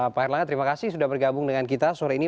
pak erlangga terima kasih sudah bergabung dengan kita sore ini